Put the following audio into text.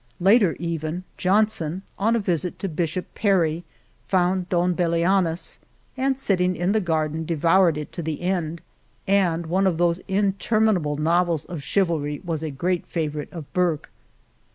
Later, even, Johnson on a visit to Bishop Perry found "Don Belianis," and sitting in the garden, devoured it to the end, and one of those interminable novels of chivalry was a great favorite of Burke.